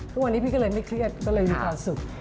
ทุกวันนี้พี่ก็เลยไม่เครียดก็เลยมีความสุข